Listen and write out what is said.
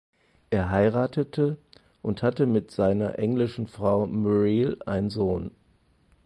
Er heiratete und hatte mit seiner englische Frau Muriel einen Sohn.